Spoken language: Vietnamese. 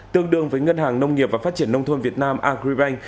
tương đương với ngân hàng nông nghiệp và phát triển nông thôn việt nam agribank